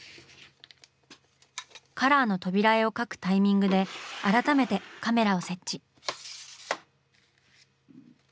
カラーの扉絵を描くタイミングで改めてカメラを設置。